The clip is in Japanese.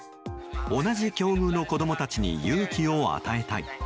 同じ境遇の子供たちに勇気を与えたい。